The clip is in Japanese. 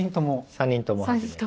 ３人とも初めて。